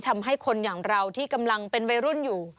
ทำให้คนอย่างเราที่กำลังเป็นวัยรุ่นอยู่